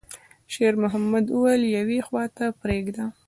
شېرمحمد وويل: «يوې خواته پرېږده.»